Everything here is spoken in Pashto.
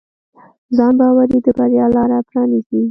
ځانباوري د بریا لاره پرانیزي.